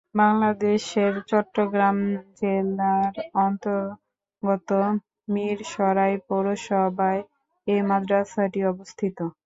বাংলাদেশের চট্টগ্রাম জেলার অন্তর্গত মীরসরাই পৌরসভায় এ মাদ্রাসাটি অবস্থিত।